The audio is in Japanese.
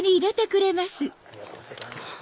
ありがとうございます。